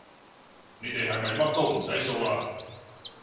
你哋係咪乜都唔使掃嘞